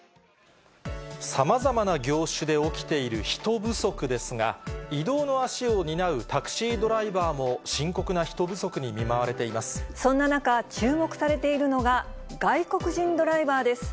さまざまな業種で起きている人不足ですが、移動の足を担うタクシードライバーも、そんな中、注目されているのが、外国人ドライバーです。